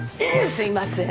すいません